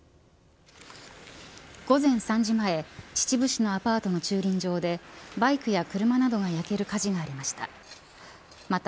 午前３時前秩父市のアパートの駐輪場でバイクや車などが焼ける火事がありました。